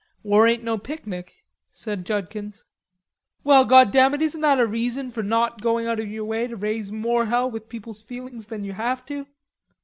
"War ain't no picnic," said Judkins. "Well, God damn it, isn't that a reason for not going out of your way to raise more hell with people's feelings than you have to?"